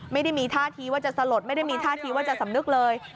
ไม่ได้มีท่าทีว่าจะสลดไม่ได้มีท่าทีว่าจะสำนึกเลย